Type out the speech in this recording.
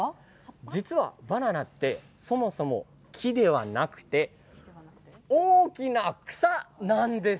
実はバナナってそもそも木ではなくて大きな草なんです。